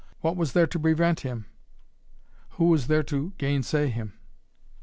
What was there to prevent him? Who was there to gainsay him?